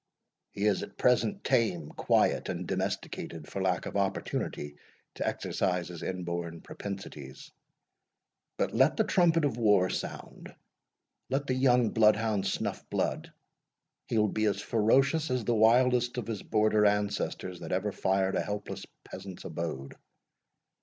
"He is at present tame, quiet, and domesticated, for lack of opportunity to exercise his inborn propensities; but let the trumpet of war sound let the young blood hound snuff blood, he will be as ferocious as the wildest of his Border ancestors that ever fired a helpless peasant's abode.